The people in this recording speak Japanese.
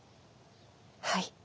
はい。